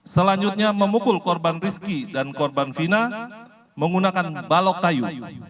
selanjutnya memukul korban rizki dan korban fina menggunakan balok kayu